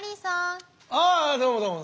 ああどうもどうも。